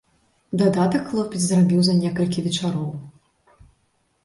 Дадатак хлопец зрабіў за некалькі вечароў.